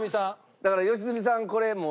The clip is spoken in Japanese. だから良純さんこれもう。